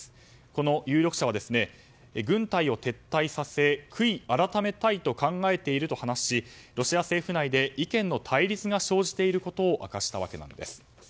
この有力者は軍隊を撤退させ、悔い改めたいと考えていると話しロシア政府内で意見の対立が生じていることを明かしたわけなんです。